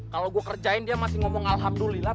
kalau gue kerjain dia masih ngomong alhamdulillah